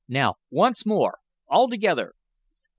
"Now, once more! All together!"